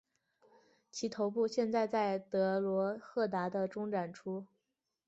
其头部现在在德罗赫达的中展出。